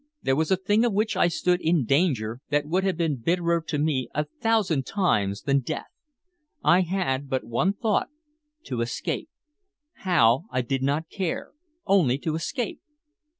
There was a thing of which I stood in danger that would have been bitterer to me, a thousand times, than death. I had but one thought, to escape; how, I did not care, only to escape.